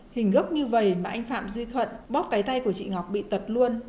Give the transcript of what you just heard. hình gốc như vậy mà anh phạm duy thuận bóp cái tay của chị ngọc bị tật luôn